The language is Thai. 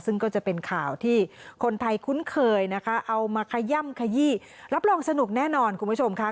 ซึ่งก็จะเป็นข่าวที่คนไทยคุ้นเคยนะคะเอามาขย่ำขยี้รับรองสนุกแน่นอนคุณผู้ชมค่ะ